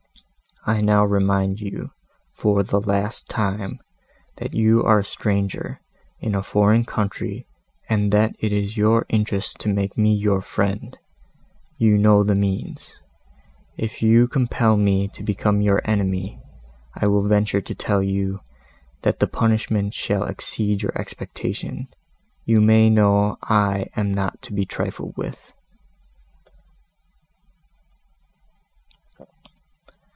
I now remind you, for the last time, that you are a stranger, in a foreign country, and that it is your interest to make me your friend; you know the means; if you compel me to become your enemy—I will venture to tell you, that the punishment shall exceed your expectation. You may know I am not to be trifled with."